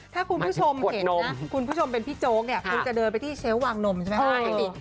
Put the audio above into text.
ถ้าคุณผู้ชมเห็นนะคุณผู้ชมเป็นพี่โจ๊กเนี่ยคุณจะเดินไปที่เชลล์วางนมใช่ไหมคะ